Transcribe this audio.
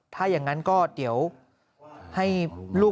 ถ้าแหงั้งก็เดี๋ยวให้ลูก